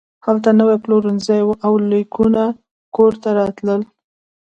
هلته نوي پلورنځي وو او لیکونه کور ته راتلل